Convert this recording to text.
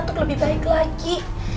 untuk lebih baik lagi